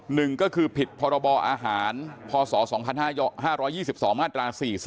หนึ่งก็คือผิดพรบอาหารพศ๒๕๒๒มาตรา๔๔